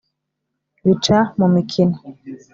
Bica mu mikino .